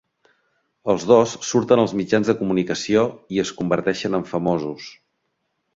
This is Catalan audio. Els dos surten als mitjans de comunicació i es converteixen en famosos.